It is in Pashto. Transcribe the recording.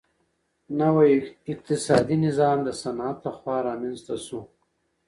نوی اقتصادي نظام د صنعت لخوا رامنځته سو.